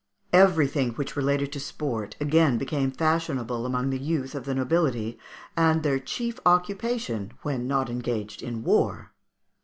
Everything which related to sport again became the fashion amongst the youth of the nobility, and their chief occupation when not engaged in war.